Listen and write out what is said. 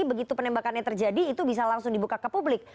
begitu penembakannya terjadi itu bisa langsung dibuka ke publik